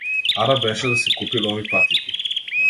Ана беше да си купи нови патики.